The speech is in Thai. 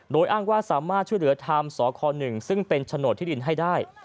โดยอ้างว่าสามารถช่วยเหลือไทม์สค๑ซึ่งเป็นโฉนดที่ดินให้ได้